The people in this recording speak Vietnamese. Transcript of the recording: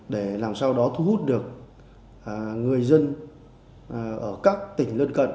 để làm sao đó thu hút được người dân ở các tỉnh lân cận